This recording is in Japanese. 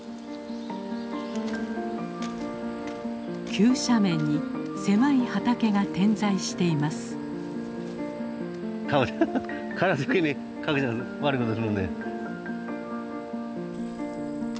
急斜面に狭い畑が点在しています。